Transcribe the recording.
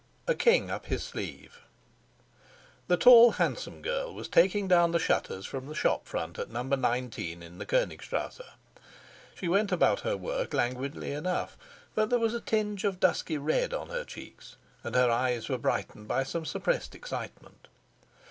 A KING UP HIS SLEEVE The tall handsome girl was taking down the shutters from the shop front at No. 19 in the Konigstrasse. She went about her work languidly enough, but there was a tinge of dusky red on her cheeks and her eyes were brightened by some suppressed excitement.